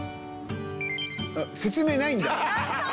説明ないんだ？